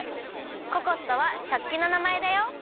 ココットはしょっきのなまえだよ。